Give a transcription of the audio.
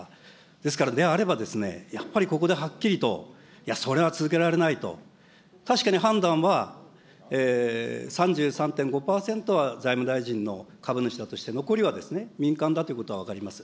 ですから、であれば、やっぱり、ここではっきりと、いや、それは続けられないと、確かに判断は３３．５％は財務大臣の株主だとして、残りはですね、民間だということは分かります。